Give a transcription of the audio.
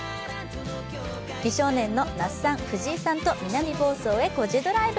美少年の那須さん、藤井さんと南房総へ「コジドライブ」。